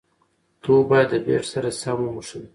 توپ باید د بېټ سره سم وموښلي.